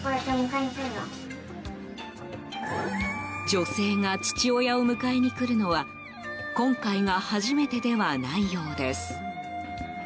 女性が父親を迎えに来るのは今回が初めてではないようです。